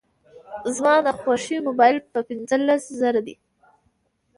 زما د خوښي موبایل په پینځلس زره دی